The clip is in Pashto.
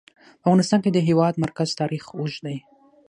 په افغانستان کې د د هېواد مرکز تاریخ اوږد دی.